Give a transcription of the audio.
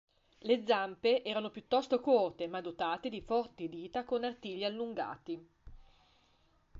Le zampe erano piuttosto corte, ma dotate di forti dita con artigli allungati.